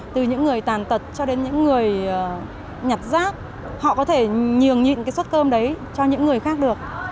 từ những người tàn tật cho đến những người nhặt rác họ có thể nhường nhịn cái suất cơm đấy cho những người khác được